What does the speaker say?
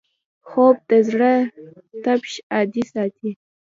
خوب د زړه تپش عادي ساتي